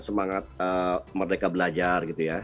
semangat merdeka belajar gitu ya